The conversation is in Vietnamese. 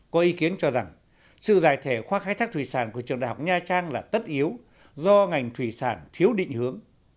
có ý kiến cho rằng sự giải thể khoa khai thác thủy sản của trường đại học nha trang là tất yếu do ngành thủy sản thiếu định hướng